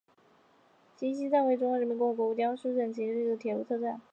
新沂西站是位于中华人民共和国江苏省新沂市的一个铁路车站。